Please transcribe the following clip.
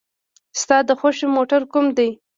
ستا د خوښې موټر کوم دی؟